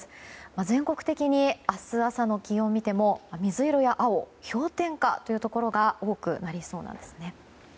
全国的に明日朝の気温を見ても水色や青、氷点下というところが多くなりそうですね。